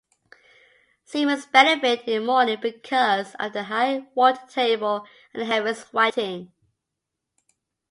Seamers benefit in the morning because of the high water table and heavy sweating.